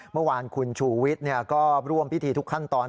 เมื่อวานคุณชูวิทย์ก็ร่วมพิธีทุกขั้นตอน